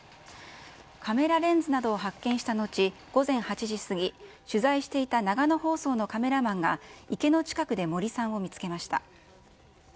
カメラレンズなどを発見した後、午前８時過ぎ、取材していた長野放送のカメラマンが、池の近くで森さんを見つけました。